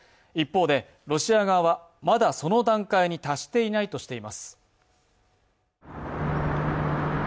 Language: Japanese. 一方で、ロシア側は、まだその段階に達していないしています。